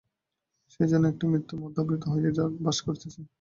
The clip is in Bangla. সে যেন একটা মৃত্যুর মধ্যে আবৃত হইয়া বাস করিতেছে।